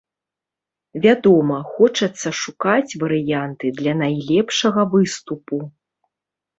Вядома, хочацца шукаць варыянты для найлепшага выступу.